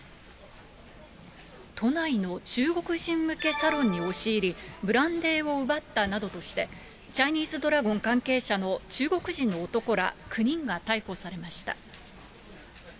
都内の中国人向けサロンに押し入り、ブランデーを奪ったなどとして、チャイニーズドラゴン関係者の中国人の男ら９人が逮捕されました。